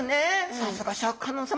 さすがシャーク香音さまだ。